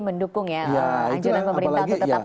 mendukung ya anjuran pemerintah untuk tetap